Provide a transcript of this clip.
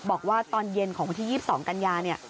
บอกว่าตอนเย็นของวันที่๒๒กันยาเนี่ย